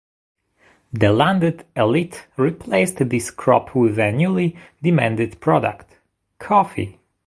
The landed elite replaced this crop with a newly demanded product, coffee.